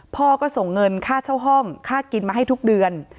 พ่อก็ส่งเงินค่าเช่าห้องค่ากินมาให้ทุกเดือน